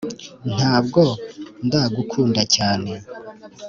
ntabwo ndakgukunda cyane